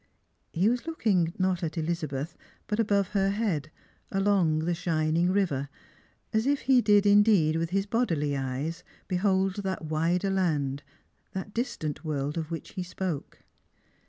He was looking, not at Elizabeth, but above her head, along the shining river, as if he did indeed with his bodily eyes be hold that wider land, that distant world of which he spoke.